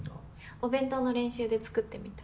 お弁当の練習で作ってみた。